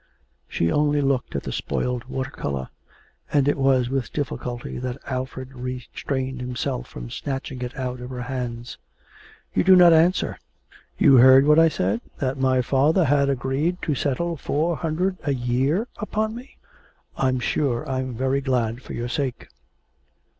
She only looked at the spoilt water colour, and it was with difficulty that Alfred restrained himself from snatching it out of her hands. 'You do not answer. You heard what I said, that my father had agreed to settle four hundred a year upon me?' 'I'm sure I'm very glad, for your sake.'